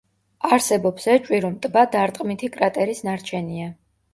არსებობს ეჭვი, რომ ტბა დარტყმითი კრატერის ნარჩენია.